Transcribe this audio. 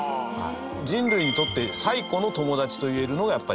人類にとって最古の友達といえるのが、やっぱり犬ですね。